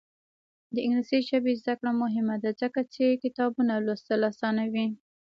د انګلیسي ژبې زده کړه مهمه ده ځکه چې کتابونه لوستل اسانوي.